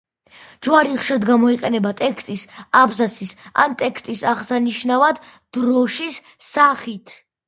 ჯვარი ხშირად გამოიყენება ტექსტის, აბზაცის ან ტექსტის აღსანიშნავად დროშის სახით.